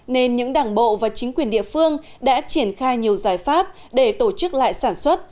nên những đảng bộ và chính quyền địa phương đã triển khai nhiều giải pháp để tổ chức lại sản xuất